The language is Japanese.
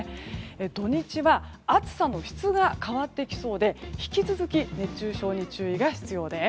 土日は暑さの質が変わってきそうで引き続き熱中症に注意が必要です。